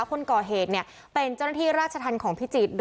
คนก่อเหตุเป็นเจ้าหน้าที่ราชธรรมของพิจิตร